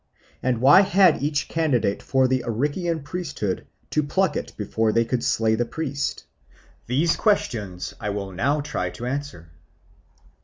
and why had each candidate for the Arician priesthood to pluck it before he could slay the priest? These questions I will now try to answer.